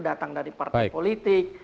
datang dari partai politik